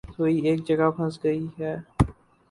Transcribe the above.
سوئی ایک جگہ پھنسی ہے۔